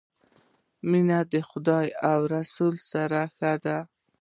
مینه د خدای او رسول ښه ده